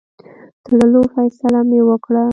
تللو فیصله مې وکړه.